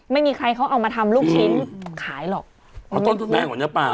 ไม่มีใครเขาเอามาทำลูกชิ้นขายหรอกอ๋อต้นทุนแพงกว่าเนื้อปลา